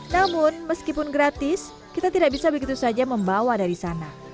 namun meskipun gratis kita tidak bisa begitu saja membawa dari sana